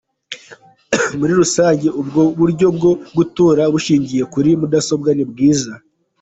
Muri rusangi ubwo buryo bwo gutora bushingiye kuri mudasobwa ni bwiza.